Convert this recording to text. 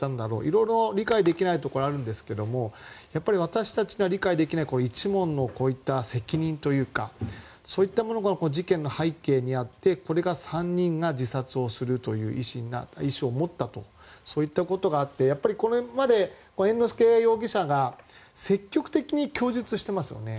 色々理解できないところはあるんですが私たちに理解できない一門の責任というかそういうものが事件の背景にあってこれが３人が自殺をするという意思を持ったとそういったことがあってこれまで猿之助容疑者が積極的に供述していますよね。